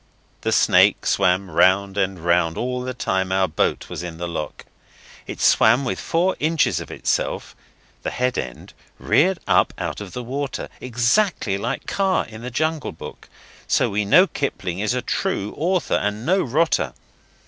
The snake swam round and round all the time our boat was in the lock. It swam with four inches of itself the head end reared up out of the water, exactly like Kaa in the Jungle Book so we know Kipling is a true author and no rotter.